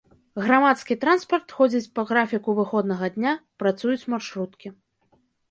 Грамадскі транспарт ходзіць па графіку выходнага дня, працуюць маршруткі.